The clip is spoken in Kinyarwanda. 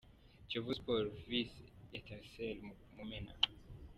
Kiyovu Sports vs Etincelles - Mumena.